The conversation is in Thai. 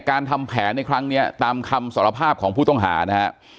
การทำแผนในครั้งนี้ตามคำสารภาพของผู้ต้องหานะฮะ